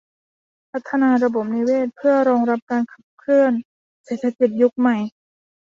พัฒนาระบบนิเวศเพื่อรองรับการขับเคลื่อนเศรษฐกิจยุคใหม่